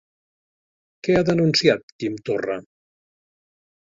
Què ha denunciat Quim Torra?